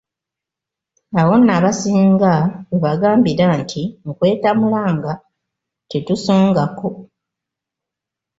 Awo nno abasinga we baagambira nti, nkwetamulanga, tetusongako!